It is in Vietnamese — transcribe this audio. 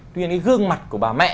tuy nhiên cái gương mặt của bà mẹ